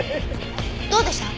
どうでした？